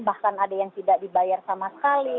bahkan ada yang tidak dibayar sama sekali